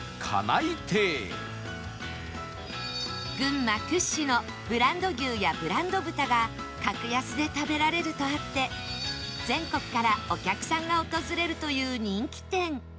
群馬屈指のブランド牛やブランド豚が格安で食べられるとあって全国からお客さんが訪れるという人気店